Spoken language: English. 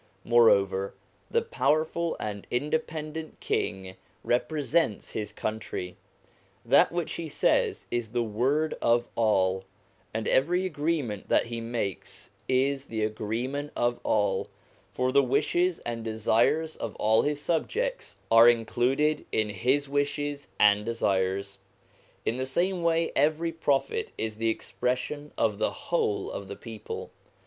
Moreover, the powerful and independent king repre sents his country : that which he says is the word of all, and every agreement that he makes, is the agree ment of all, for the wishes and desires of all his subjects are included in his wishes and desires. In the same way, every Prophet is the expression of the whole of the people.